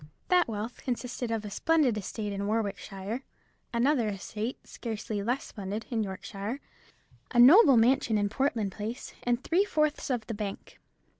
That wealth consisted of a splendid estate in Warwickshire; another estate, scarcely less splendid, in Yorkshire; a noble mansion in Portland Place; and three fourths of the bank.